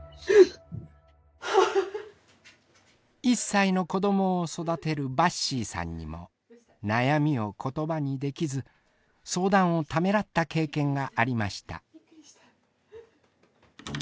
１歳の子どもを育てるばっしーさんにも悩みを言葉にできず相談をためらった経験がありました。